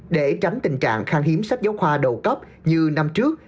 để tránh tình trạng khang hiếm sách giáo khoa đầu cấp như năm trước